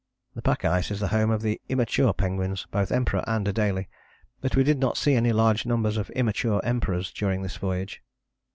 The pack ice is the home of the immature penguins, both Emperor and Adélie. But we did not see any large numbers of immature Emperors during this voyage.